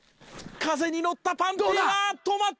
風に乗ったパンティは止まった！